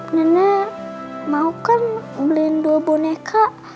nenek mau kan beliin dua boneka